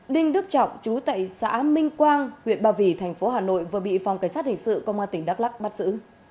đinh đức trọng trú tại xã minh quang huyện bà vỉ thành phố hà nội vừa bị phòng cảnh sát hình sự công an tỉnh đắk lắc bắt giữ